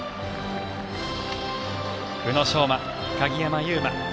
宇野昌磨、鍵山優真